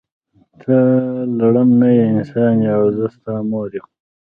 ته لړم نه یی انسان یی او زه ستا مور یم.